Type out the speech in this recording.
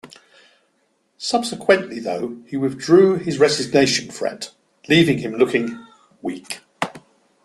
Subsequently, though, he withdrew his resignation threat, leaving him looking weak.